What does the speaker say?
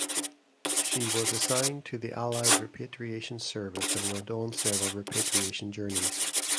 She was assigned to the Allied Repatriation Service and went on several repatriation journeys.